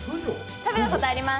食べたこと、あります！